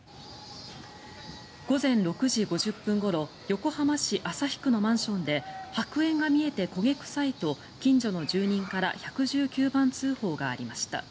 午前６時５０分ごろ横浜市旭区のマンションで白煙が見えて焦げ臭いと近所の住人から１１９番通報がありました。